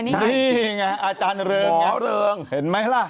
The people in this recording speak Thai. นี่ไงอาจารย์เริงพระเริงเห็นไหมล่ะ